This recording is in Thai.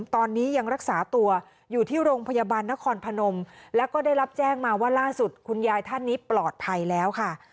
ตอนนี้ยังรักษาตัวอยู่ที่โรงพยาบาลนครพนมแล้วก็ได้รับแจ้งมาว่าล่าสุดคุณยายท่านนี้ปลอดภัยแล้วค่ะ